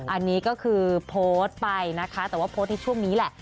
อันนี้ก็คือโพสต์ไปนะคะแต่ว่าโพสต์ในช่วงนี้แหละ